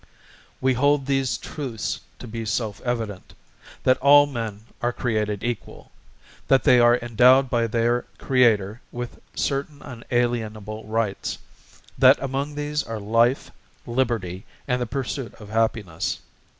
We hold these truths to be self evident, that all men are created equal, that they are endowed by their Creator with certain unalienable Rights, that among these are Life, Liberty, and the pursuit of Happiness.